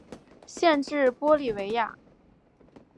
县治玻利维亚。